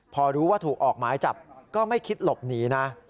พอรู้ว่าถูกออกหมายจับก็ไม่คิดหลบหนีนะ